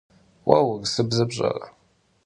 Vue vurısıbze pş'ere?